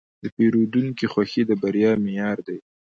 د پیرودونکي خوښي د بریا معیار دی.